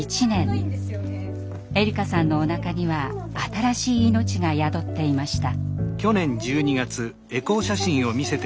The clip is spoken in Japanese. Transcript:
えりかさんのおなかには新しい命が宿っていました。